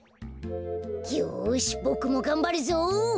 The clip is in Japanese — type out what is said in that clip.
よしボクもがんばるぞ！